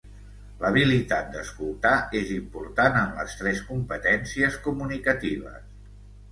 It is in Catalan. L'habilitat d'escoltar és important en les tres competències comunicatives.